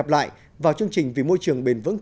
hãy đăng ký kênh để ủng hộ kênh của chúng mình nhé